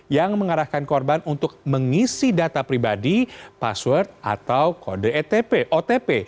yang mengarahkan korban untuk mengisi data pribadi password atau kode otp